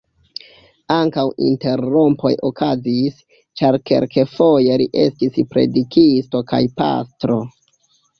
Ankaŭ interrompoj okazis, ĉar kelkfoje li estis predikisto kaj pastro.